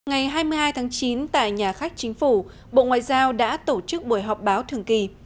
ngày hai mươi hai tháng chín tại nhà khách chính phủ bộ ngoại giao đã tổ chức buổi họp báo thường kỳ